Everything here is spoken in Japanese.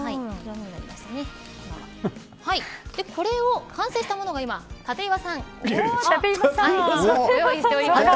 これを完成したものが今、立岩さん。用意しております。